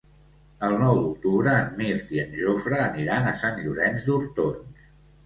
El nou d'octubre en Mirt i en Jofre aniran a Sant Llorenç d'Hortons.